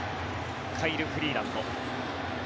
カイル・フリーランド。